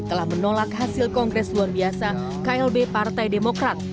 telah menolak hasil kongres luar biasa klb partai demokrat